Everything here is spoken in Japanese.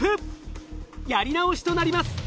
やり直しとなります。